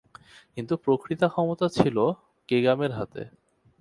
কিন্তু প্রকৃত ক্ষমতা ছিল কেগামে’র হাতে।